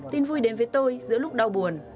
tin vui đến với tôi giữa lúc đau buồn